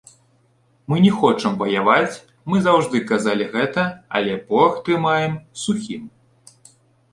Мы не хочам ваяваць, мы заўжды казалі гэта, але порах трымаем сухім.